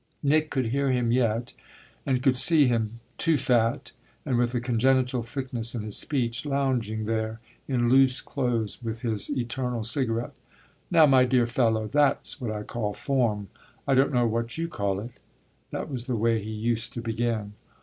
Nick could hear him yet, and could see him, too fat and with a congenital thickness in his speech, lounging there in loose clothes with his eternal cigarette. "Now my dear fellow, that's what I call form: I don't know what you call it" that was the way he used to begin.